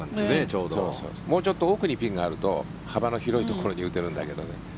もうちょっと奥のピンがあると幅の広いところに打てるんだけどね。